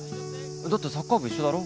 だってサッカー部一緒だろ？